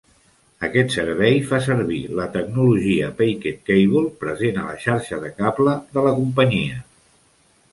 Aquest servei fa servir la tecnologia PacketCable present a la xarxa de cable de la companyia.